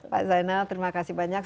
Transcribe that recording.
pak zainal terima kasih banyak